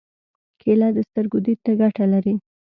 کېله د سترګو دید ته ګټه لري.